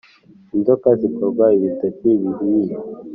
inzoga zikorwa ibitoki bihiye